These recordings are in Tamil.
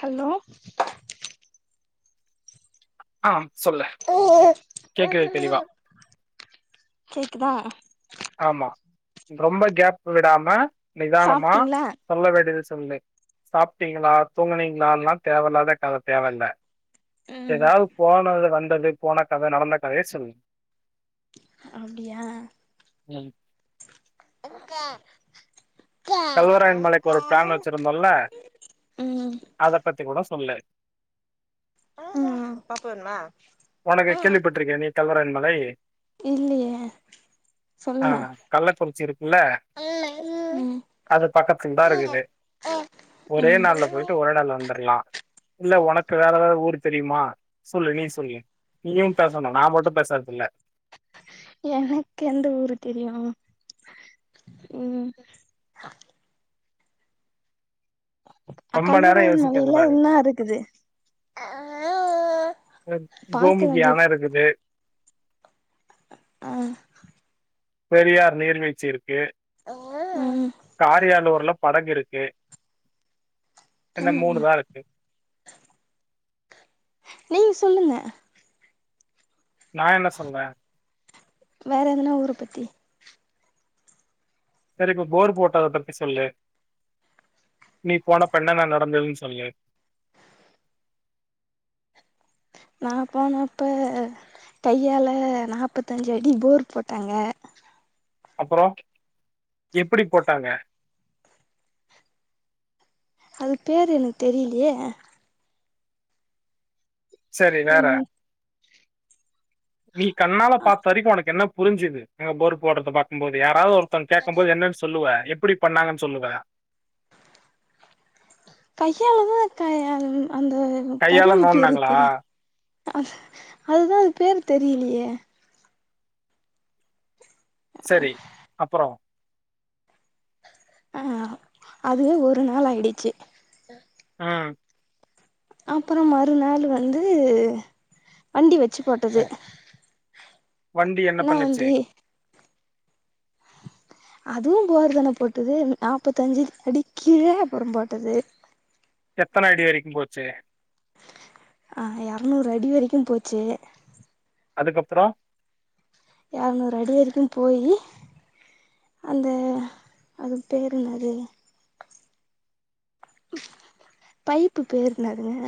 ஹலோ ஆம் சொல்லு கேக்குது தெளிவா கேக்குதா ஆமா ரொம்ப கேப் விடாம நிதானமா சாப்ட்டீங்களா சொல்ல வேண்டிதுஸ் சொல்லு சாப்டீங்களா தூங்கனீங்களான்லா தேவல்லாத கத தேவல்ல ம் ஏதாவது போனுது வந் து அப்டியே போன கத நடந்த கதைய சொல்லு அப்டியா ம் அக்கா கல்வராயன் மலைக்கு போற பிளான் வெச்சுருந்தோல்ல ம் அத பத்தி கூட சொல்லு ம் ஒனக்கு கேள்ளிபட்டுருக்க நீ கல்வராயன் மலை இல்லையே ஆ சொல்லுங்க கள்ளக்குறிச்சி இருக்குல்ல ம் அது பக்கத்துல்தா இருக்குது ஒரே ம் நாள்ல போயிட்டு ஒரே நாள்ள வந்துர்லா இல்ல உனக்கு வேற ஏதாவது ஊரு தெரியுமா சொல்லு நீ சொல்லு நீயும் பேசணு நா மட்டு பேசறது இல்ல எனக்கு எந்த ஊரு தெரியு ம் ரொம்ப நேரம் கல்வராய் யோசிக்க மலையில கூடாது என்ன இருக்குது [inaudible] பார்க்க கோமுகி வேண்டிய அண இருக்குது ஆ பெரியார் நீர்வீழ்ச்சி இருக்கு ம் காரியாலூர்ல படகு இருக்கு இந்த ம் ம் மூணுதா இருக்கு நீங்க சொல்லுங்க நான் என்ன சொல்றேன் வேற எதுனா ஊர பத்தி செரி இப்ப போர் போட்டத பத்தி சொல்லு நீ போன அப்ப என்னென்ன நடந்ததுன் சொல்லு நா போன அப்ப கையால நாற்பத்தஞ்சு அடி போர் போட்டாங்க அப்பறோ எப்டி போட்டாங்க அது பேரு எனக்கு தெரியிலியே செரி வேற ம் நீ கண்ணால பாத்த வரைக்கு உனக்கு என்னப் புருஞ்சுது அ போர் போடுறதா பாக்கும்போது யாராவது ஒரு த்தங் கேக்கம் போது என்னன் சொல்லுவ எப்டி பண்ணாங்கன் சொல்லுவ கையாலதா கையால் அந்த கையால கருவி பேரு நோண்டாங்களா தெரியா து அதுதா அது பேரு தெரியிலியே செரி அப்பறோ ஆ அதுவே ஒரு நாள் ஆயிடுச்சு அ அப்பறோ மறுநாள்ளு வந்து வண்டி வெச்சு போட்டது வண்டி என்ன பண்ணுச்சு அதுவும் போர் தான போட்டுது நாப்பத்தஞ்சு அடி கீழ அப்பறம் போட்டது எத்தன அடி வரைக்கும் போச்சு ஆ எரநூறு அடி வரைக்கும் போச்சு அதுக்கப்பறோ எரநூறு அடி வரைக்கும் போயி அந்த அது பேரு என்னது பைப்பு பேரு என்னதுங்க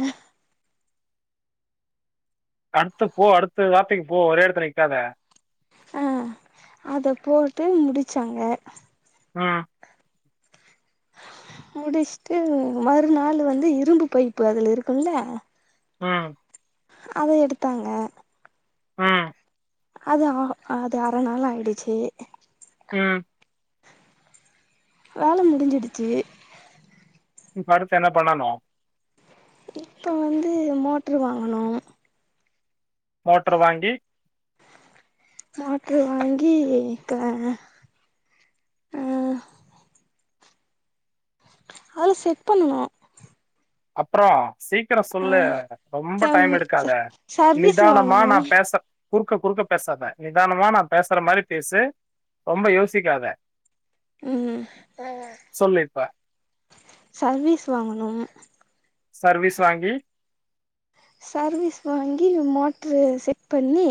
அடுத்து போ அடுத்து வாத்தைக்கு போ ஒரே எடத்துல நிக்காத அ அத போட்டு முடிச்சாங்க ம் முடிச்சுட்டு மறுநாள் வந்து இரும்பு பைப்பு அதுல இருக்கும்ல ஆம் அத எடுத்தாங்க ம், அது ஆ அது அர நாள் ஆயிடுச்சு ம் வேல முடிஞ்சிடுச்சு எடுத்து என்ன பண்ணனு இப்ப வந்து மோட்டரு வாங்கனு மோட்டரு வாங்கி மோட்டரு வாங்கிட்ட ஆ அத செட் பண்ணனு அப்புறோ சீக்கிரோ சொல்லு ஆ ரொம்ப சம் டைம் எடுக்காத சர்வீஸ் நிதானமா வாங்கனு நா பேசற் குறுக்க குறுக்க பேசாத நிதானமா நா பேசுற மாரி பேசு ரொம்ப யோசிக்காத ம் சொல்லு இப்ப. சர்வீஸ் வாங்கணு சர்வீஸ் வாங்கி சர்வீஸ் வாங்கி மோட்ரு செட் பண்ணி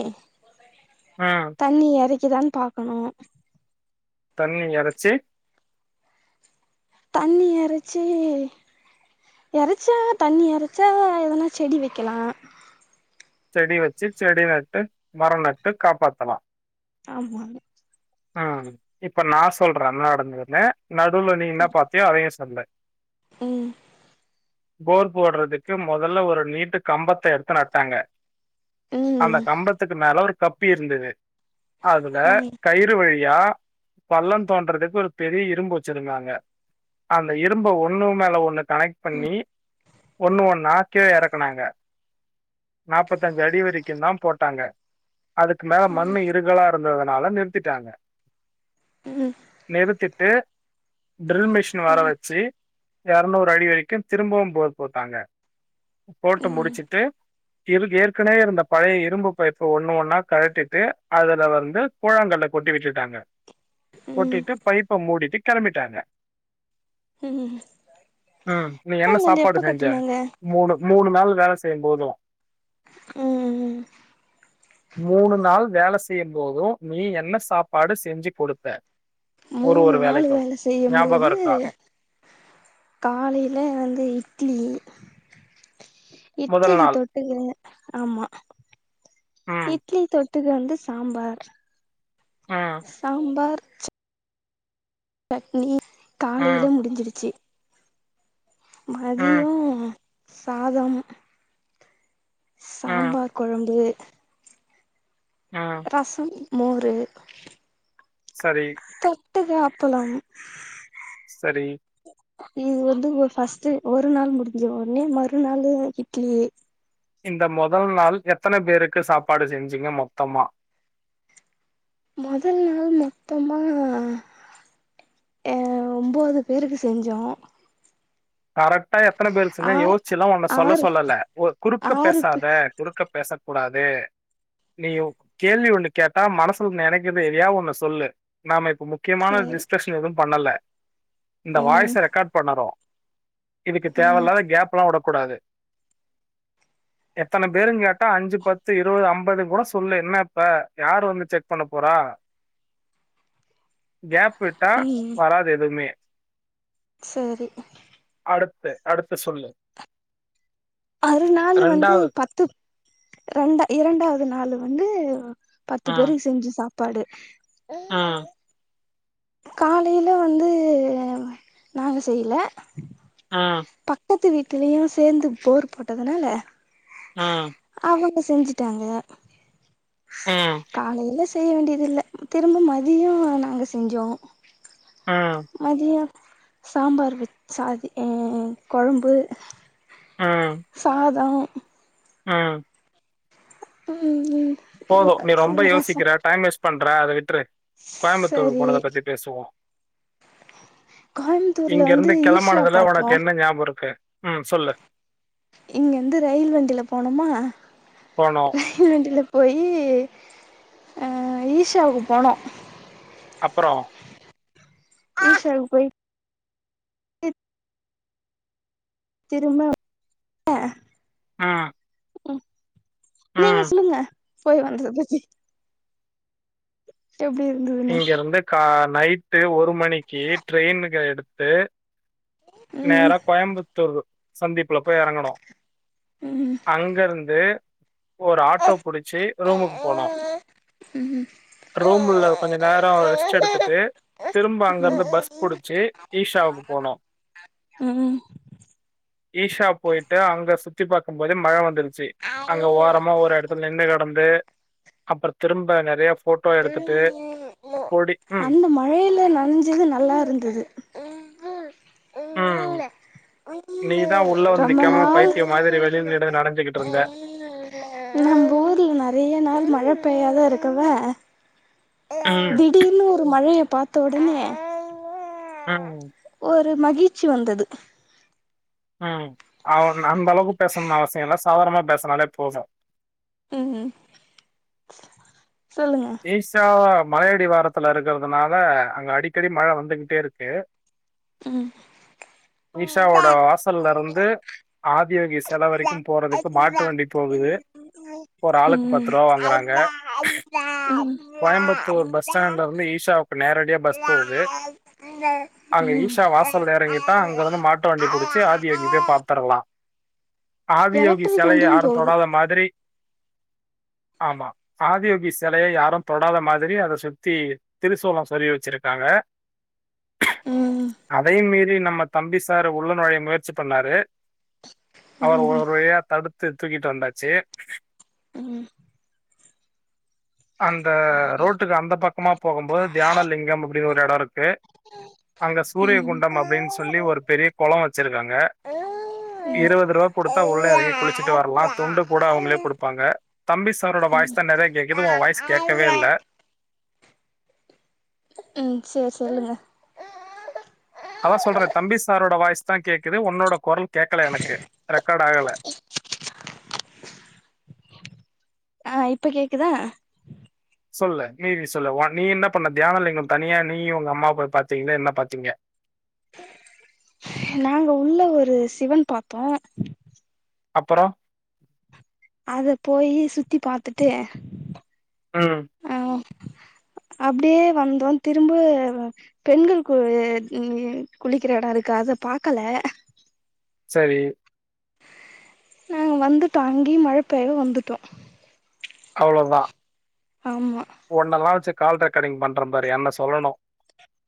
ம். தண்ணி எரக் கிதாம் பாக்கணு தண்ணி எரச்சு தண்ணி எரச்சு எரச்சா தண்ணி எரச்சா எத்தனா செடி வெக்கலா செடி வெச்சு செடி நட்டு மரோ நட்டு காப்பாத்தலா ஆமா ம் இப்ப நா சொல்ற என்ன நடக்க போகுதுன்னு நடுவுல நீ என்ன பாத்தியோ அதயேஸ் சொல்ல ம் போர் போடுறதுக்கு மொதல்ல ஒரு நீட்டு கம்பத்த எடுத்து நட்டாங்க அந்த ம் கம்பத்துக்கு மேல ஒரு கப்பி இருந்தது அதுல ஆ ம் கயிறு வழி யா பள்ளந் தோன்றதுக்கு ஒரு பெரிய இரும்பு வெச்சுருந்தாங்க அந்த இரும்ப ஒண்ணு மேல ஒண்ணு கனெக்ட் பண்ணி ஒண்ணு ஒண்ணு கீழ எறக்குனாங்க நாப்பத்தஞ்சு அடி வரைக்குந்தா போட்டாங்க அதுக்கு மேல மண்ணு இருக்கலா ந்ததுனால நிறுத்திட்டாங்க ம் நிறுத்திட்டு ட்ரில் மிஷின வர வெச்சு எரநூறு அடி வரைக்கு திரும்பவும் போர் போட்டாங்க போட்டு முடுச்சிட்டு இரு ஏற்கனவே இருந்த பழைய இரும்பு பைப்பு ஒண்ணு ஒன்னா கழட்டிட்டு அதுல வந்து கூழாங்கல்ல கொட்டி விட்டுட்டாங்க ம் கொட்டிட்டு பைப்ப மூடிட்டு கெளம்பிட்டாங்க ம் ம் நீ என்ன நாங்கள் சாப்பாடு எப்ப செஞ்ச கட்டுனாங்க மூணு மூணு நாள் வேல செய்யும் போது ம் மூணு நாள் வேலஸ் செய்யும் போது நீ என்ன சாப்பாடு செஞ்சு குடுத்த மூணு நாள் வேல செய்யும் ஞாபகம் பொழுது இருக்கா காலையில வந்து இட் இட்லி முதல் இட்லிக்கு நாள் தொட்டுக்க ஆமா ம் இட்லி தொட் தொட்டுக்க வந்து சாம்பார் ம் சாம்பார் சட்னி காலையில ம் முடிஞ்சிருச்சு ம் மதியோ சாதம் ம் சாம்பார் கொழம்பு ம் மோறு சரி தொட்டுக்க அப்பளம் சரி இது வந்து ஒர் ஃபஸ்ட்டு ஒரு நாள் முடுஞ்சுது ஒன்னே மறுநாளு இட்லி இந்த மொதல் நாள் எத்தன பேருக்கு சாப்பாடு செஞ்சீங்க மொத்தமா மொதல் நாள் மொத்தமா அ ஒன்போது பேருக்கு செஞ்சோ கரெக்டா எத்தன பேருக்கு செஞ்ச ஆ யோசிச்சு எல்லா ஒன்ன சொல்ல ஆறு சொல்லல ஒ குறுக்க ஆறு பே பேசாத குறுக்க பேச கூடாது நீயு கேள்வி ஒண்ணு கேட்டா மனசுல நெனைக்குது எதியா ஒன்னு சொல்லு நாம இப் இப்ப முக்கியமான சரி டிஸ்கஷன் எதும் பண்ணல இந்த ம் வாய்ஸ ரெக்கார்ட் பண்ணறோ இதுக்கு ம் தேவல்லாத கேப் எல்லா உடக் கூடாது எத்தன பேருங் கேட்டா அஞ்சு பத்து இருவது ஐம்பது கூட சொல்லு என்ன இப்ப யாரு வந்து செக் பண்ண போறா கேப் விட்டா வராது எதுமே சேரி அடுத்து அடுத்து சொல்லு அறுநாளு வந்து பத்து ரெண்ட இரண்டாவது நாளு வந்து பத்து பேருக்கு செஞ்சு சாப் பாடு ஆ காலையில வந்து நாங்க செய்ல ம், பக்கத்து வீட் டுலியு சேந்து போர் போட்டதுனால ஆம் அவங்க செஞ்சுட்டாங்க ம், காலையிலஸ் செய்ய வேண்டிதில்ல திரும்ப மதியோ நாங்க செஞ்சோ ம், அது எப் சாம்பார் வெச்சாதி அ கொழம்பு சாதோ ஆ ம்ம்ம் போது நீ ரொம்ப யோசிக்கிற டைம் வேஸ்ட் பண்ற அத விட் ற்று கோயம்புத்தூர் சரி போனத பத்தி பேசுவோ கோயம்புத்தூர்ல இங்க வந்து இருந்து ஈஷா கெளம்பானதுல பாத்தோ உனக்கு என்ன ஞாபோ இருக்கு ம் சொல்லு இங்கேந்து ரயில் வண்டில போனம்மா போனோம். ரயில் வண்டில போயி ம் ஈஷாவுக்கு போனோம் அப்புறம் ஈஷாக்கு போய் திரும்ப [unintelligible] ஆ ம் நீங்க சொல்லுங்க போய் வந்தது பத்தி எப்டி இருந்ததுன்னு [unintelligible] அந்த கார் நைட்டு ஒரு மணிக்கு ட்ரெயினக்க எடுத்து நேர ம் கோயம்புத்தூர் சந்திப்புல போய் எறங்கனு ம் அங்க இருந்து ஒரு ஆட்டோ புடிச்சு ரூமுக்கு போனோம் ரூம்ல நேர ரெஸ்ட் எடுத்துட்டு திரும்ப அங்க இருந்து பஸ் புடிச்சு ஈஷாவுக்கு போனோம் ம் ம் ஈஷா போயிட்டு அங்க சுத்தி பாத் போதே மழ வந்துருக் ச்சு அங்க ஓரமா ஒரு எடத்துல நின்னு வந்து அப்றம் திரும்ப நறைய போட்டோ எடுத்துட்டு பொடி ம். அந்த மழையல நன்ஞ்சது நல்லா இருந்தது ம் நீ தா உள்ள வந்து ரொம்ப நிக்காம நாள் பைத்திய மாதிரி வெளியல நிட நனஞ் கிட்டு இருந்த நம்ப ஊர்ல நறைய நாள் மழ பெய்யாத இருக்கவே ம், திடீர்னு ஒரு மழை எப் பாத்தவுடனே ம் ஒரு மகிழ்ச்சி வந்தது ம் அவ ந அந்த அளவுக்கு பேசனுன் அவசிய இல்ல சாதாரணமா பேசனாலே போதும் ம் ம் சொல்லுங்க ஈஷா அப் மலயடிவாரத்துல இருக்கறதுனால அங்க அடிக்கடி மழ வந்துகிட்டே இருக்கு ம் ஈஷா வோட வாசல்லருந்து ஆதியோகி செ ஒரு உ ஆளுக்கு ரூ. வாங்குறாங்க. கோயம்புத்தூர் பஸ் ஸ்டாண்ட்லருந்து ஈஷாவுக்கு நேரடியா பஸ் போகுது அங்க ம் ஈஷா வாசல்ல எறங்கிட்டா அங்க இருந்து மாட்டு வண்டி புடிச்சு ஆதியோகிய போய் பாத்துரலா ஆதியோகி எலக்ட்ரிக் சிலைய வண்டியும் யாரு போகுது தொடாத மாதிரி ஆமா ஆதியோகி செ செலய யாரு தொடாத மாதிரி அத சுத்தி திருசூளோ சோருவி வச்சிருக்காங்க ம் அதையு மீறி நம்ம தம்பி சார் உள்ள நொழய முயற்சி பண்ணாரு அவர் ஒரு ம் வலியா தடுத் த்து தூக்கிட்டு வந்தாச்சு உ அந்த ரோட்டுக்கு அந்த பக்கமா போகும்போது தியானலிங்கம் அப்டின்னு ஒரு டடோருக்கு கு அங்க ம் சூரியகுண்டம் அப்டின்னு சொல்லி ஒரு பெரிய கொளொ வச்சிருக்காங்க ம் இருவதுருவா குடுத்தா உள்ள எறங்கி குளிச்சுட்டு வரலா துண்டு கூட அவங்களே குடுப்பாங்க தம்பி சாரோட வாஸ் தா நிறைய கேக் எதுவு உ வாய்ஸ் கேக்கவே இல்ல உ செரி சொல்லுங்க தா கேக்குது உன்னோட கொரல் கேக்கல எனக்கு ரெக்கார்ட் டாகல ஆ இப்ப கேக்குதா சொல்ல நீ வி சொல்ல நீ என்ன பண்ண தியானம்லிங்கம் தனியா நீயு ஒங்க அம்மாவு போய் பாத்தீங்களே என்ன பாத்தீங்க நாங்க உள்ள ஒரு சிவன் பாத்தோ அப்பொறொ அத போயி சுத்தி பாத்துட்டு உ ஆ அப்டியே வந்தோ திரும்ப பெண்கள் கு அ குளிக்கிற எடொ இருக்கு அத பாக்கல சரி உ வந்துட்டோ அங்கயு மழ பெய்யவு வந்துட்டோ அவ்ளோதா ஆமா ஒண்ணல்லா வச்சிட்டு கால் ரெக்காடிங் பண்ற பாரு என்ன சொல்லணு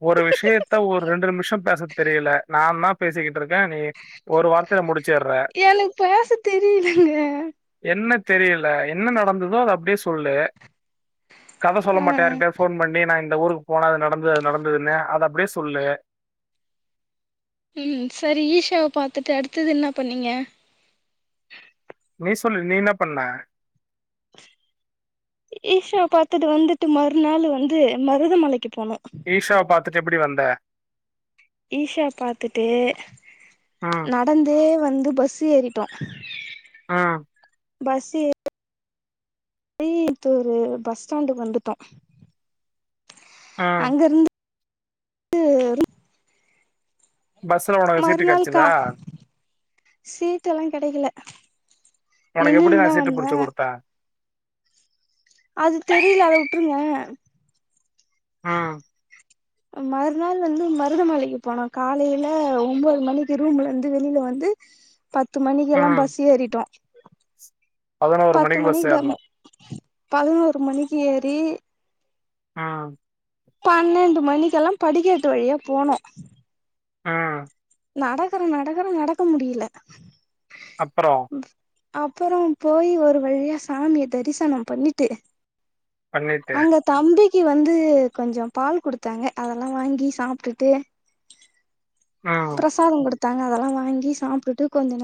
ஒரு விஷயத்த ஒரு ரெண்டு நிமிஷ பேச தெரியல நா தா பேசிக்கிட்டு இருக்கே நீ ஒரு வார்த்தைல முடிச் எனக் பேச தெரியலங்க என்ன தெரியல என்ன நடந்துதோ அது அப்டியே சொல்லு ஆ அந்த ஊருக்கு போனா அது நடந்தது அது நடந்ததுனு அத அப்டியே சொல்லு உ சரி ஈஷாவ பாத்துட்டு அடுத்தது என்ன பண்ணீங்க நீ சொல்லு நீ என்ன பண்ண ஈஷாவ பாத்தட்டு வந்துட்டு மறுநாள் வந்து மருதமலைக்கு போனோ ஈஷா பாத்துட் டு எப்பிடி வந்த? ஈஷா பாத்துட்டு ம். நடந்தே வந் து பஸ் ஏறிட்டோ. ம். ம். பஸ் ஏ [inaudible] றி கோயம்த்தூரு பஸ் ஸ்டாண்டுக்கு வந்துட்டோ ம். அங்க இருந்து [inaudible] பஸ்ல உனக்கு சீட்டு மறுநாள் கா கிடைச்சதா? சீட்டெல்லா கெடைக்கல. உனக்கு எப்பிடி நா நின்னுன்னுதா சீட்டு வந்தே புடிச்சு குடுத்தே அது தெரியல அத உட்ருங்க. ம் அ மறுநாள் வந்து மருதமலைக்கு போனோ காலைல ஒம்போது மணிக்கி ரூம்புல இருந்து வெளில வந்து பத்து மணிக்கெல்லா பஸ் ஏறிட்டோ. பதனோரு மணிக்கு பஸ் ஏறுனோ. பதனோரு மணிக்கி ஏறி ம் பன்னெண்டு மணிக்கெல்லாம் படிக்கட்டு வழியா போனோ. ம் நடக்கற நடக்கற நடக்க முடியல. அப்பறோ? அப்பறோ போயி ஒரு வழியா சாமிய தரிசனம் பண்ணிட்டு பண்ணிட்டு அங்க தம்பி க்கி வந்து கொஞ்சம் பால் குடுத்தாங்க அதெல்லா வாங்கி சாப்ட்டுட்டு ம் பிரசாதோ குடுத்தாங்க அதெல்லா வாங்கி சாப்ட்டுட்டு கொஞ்ச நே